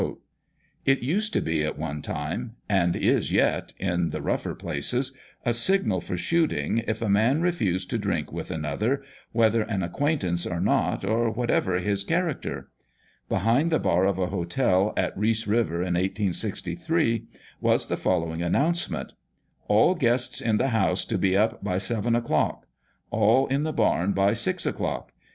It used to be at one time (and is yet in the rougher places), a signal for shooting, if a man refuse to drink with another, whether an acquaintance or not, or whatever his cha racter. Behind the bar of a hotel at Reese River, in 1863, was the following announce ment :" All guests in the house to be up by seven o'clock ; all in the barn by six o'clock.